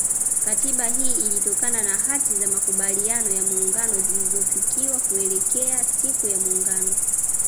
Katiba hii ilitokana na hati za makubaliano ya muungano zilizofikiwa kuelekea siku ya muungano